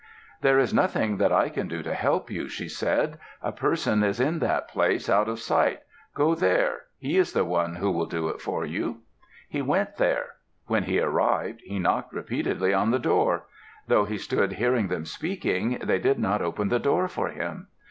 "There is nothing that I can do to help you," she said. "A person is in that place, out of sight. Go there. He is the one who will do it for you." He went there. When he arrived, he knocked repeatedly on the door. Though he stood hearing them speaking, they did not open the door for him.